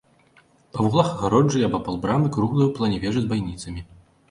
Па вуглах агароджы і абапал брамы круглыя ў плане вежы з байніцамі.